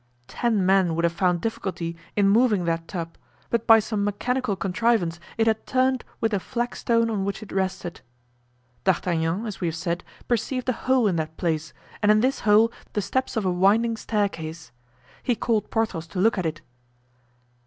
Ten men would have found difficulty in moving that tub, but by some mechanical contrivance it had turned with the flagstone on which it rested. D'Artagnan, as we have said, perceived a hole in that place and in this hole the steps of a winding staircase. He called Porthos to look at it.